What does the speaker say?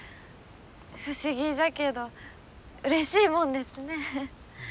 不思議じゃけどうれしいもんですね。